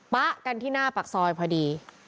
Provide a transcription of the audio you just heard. ป๊ะกันที่หน้าปากซอยพอดี